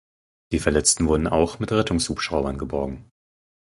Die Verletzten wurden auch mit Rettungshubschraubern geborgen.